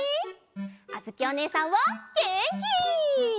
あづきおねえさんはげんき！